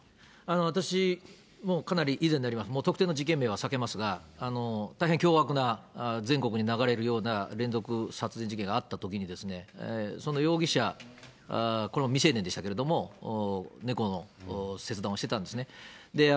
私、もうかなり以前になりますけども、特定の事件名は避けますが、大変凶悪な、全国に流れるような連続殺人事件があったときに、その容疑者、これも未成年でしたけれども、猫の切断をしてたんですね。